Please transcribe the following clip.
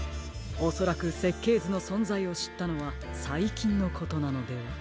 おそらくせっけいずのそんざいをしったのはさいきんのことなのでは？